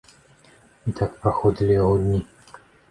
І так праходзілі яго дні.